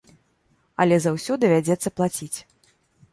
Але за ўсё давядзецца плаціць.